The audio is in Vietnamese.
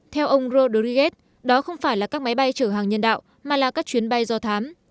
theo ông rodriguez đó không phải là các máy bay chở hàng nhân đạo mà là các chuyến bay do thám